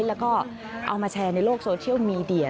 แล้วก็เอามาแชร์ในโลกโซเชียลมีเดีย